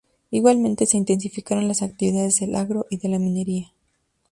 Igualmente se intensificaron las actividades del agro y de la minería.